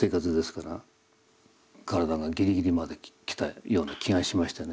体がギリギリまで来たような気がしましてね。